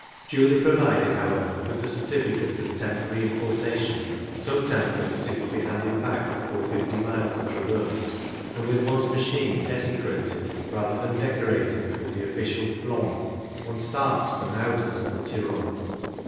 Duly provided, however, with the cer tificate of temporary importation — ^so tem porary that it will be handed back before fifty miles are traversed — and with one's machine desecrated rather than decorated with the official ptomby one starts for Nauders and the Tyrol.